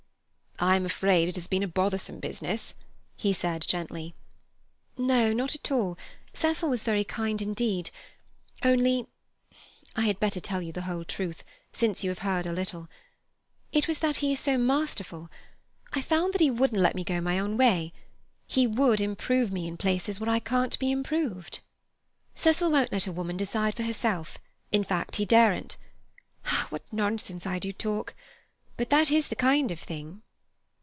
"I am afraid it has been a bothersome business," he said gently. "No, not at all. Cecil was very kind indeed; only—I had better tell you the whole truth, since you have heard a little—it was that he is so masterful. I found that he wouldn't let me go my own way. He would improve me in places where I can't be improved. Cecil won't let a woman decide for herself—in fact, he daren't. What nonsense I do talk! But that is the kind of thing."